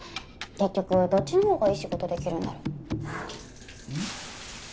結局どっちの方がいい仕事できるんだろううん？